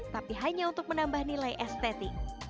tapi hanya untuk menambah nilai estetik